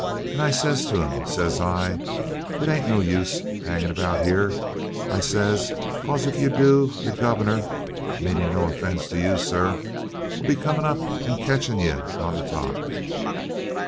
And I says to him, says I, 'It's no use your 'anging about 'ere,' I says, ''cause, if you do, your guv'nor (meanin' no offence to you, sir) 'll be comin' up and ketchin' of you on the 'op.'